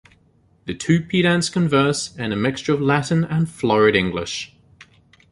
The two pedants converse in a mixture of Latin and florid English.